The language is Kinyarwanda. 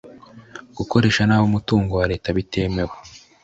Gukoresha nabi umutungo wa leta bitemewe